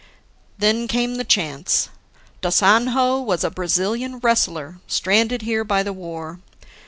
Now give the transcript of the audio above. "Then came the chance. Da Sanhao was a Brazilian wrestler stranded here by the war.